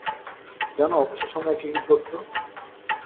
জানো অবসর সময়ে ও কী কী করতো?